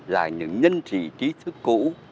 là những nhân sĩ trí thức cũ